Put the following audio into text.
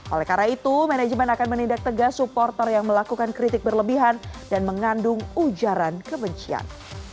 oleh karena itu manajemen akan menindak tegas supporter yang melakukan kritik berlebihan dan mengandung ujaran kebencian